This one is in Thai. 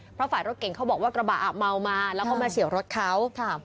เพราะฝ่ายรถเก่งเขาบอกว่ากระบะอ่ะเมามาแล้วก็มาเฉียวรถเขา